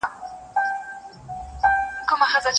ځینې کسان په تاریخي پېښو پسي ګرځي.